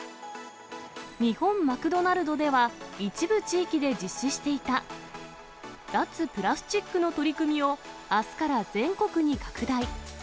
日本マクドナルドでは、一部地域で実施していた脱プラスチックの取り組みを、あすから全国に拡大。